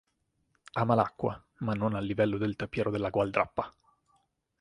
Ama l'acqua, ma non al livello del tapiro dalla gualdrappa.